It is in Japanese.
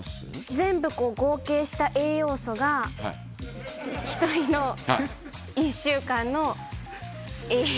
全部合計した栄養素が、１人の１週間の栄養。